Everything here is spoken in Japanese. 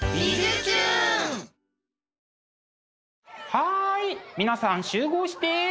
はい皆さん集合して！